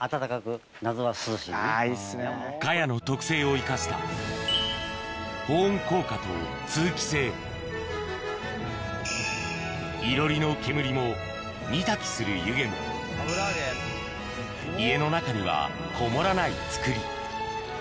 カヤの特性を生かした保温効果と通気性囲炉裏の煙も煮炊きする湯気も家の中にはこもらない造り